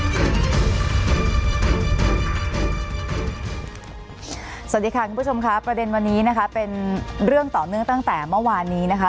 สวัสดีค่ะคุณผู้ชมค่ะประเด็นวันนี้นะคะเป็นเรื่องต่อเนื่องตั้งแต่เมื่อวานนี้นะคะ